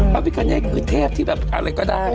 พระพิกาเนตคือเทพที่แบบอะไรก็ได้